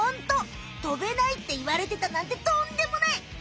「とべない」っていわれてたなんてとんでもない！